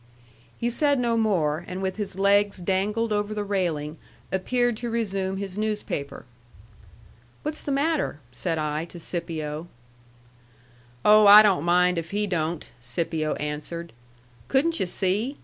He said no more; and with his legs dangled over the railing, appeared to resume his newspaper. "What's the matter?" said I to Scipio. "Oh, I don't mind if he don't," Scipio answered. "Couldn't yu' see?